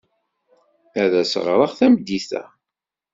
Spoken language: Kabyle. Ad as-ɣreɣ tameddit-a.